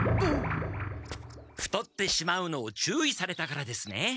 太ってしまうのを注意されたからですね。